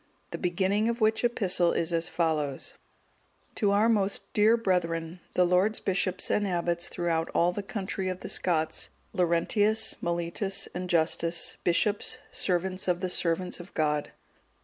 The beginning of which epistle is as follows: "_To our most dear brethren, the Lords Bishops and Abbots throughout all the country of the Scots,_(184)_ Laurentius, Mellitus, and Justus, Bishops, servants of the servants of God.